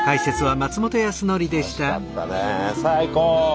楽しかったね最高！